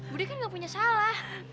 budi kan gak punya salah